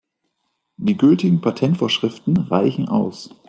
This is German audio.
Die gültigen Patentvorschriften reichen aus.